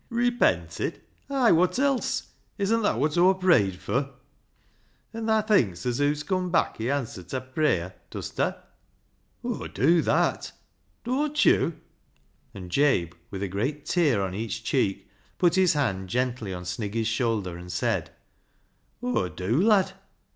"Repented? Ay, wot else? Isn't that wot Aw pruyed fur?" " An' thaa thinks as hoo's come back i' answer ta pruyer, does ta ?"" Aw dew that ! Doan't yo' ?" And Jabe, with a great tear on each cheek, put his hand gently on Sniggy's shoulder, and said —" Aw dew, lad !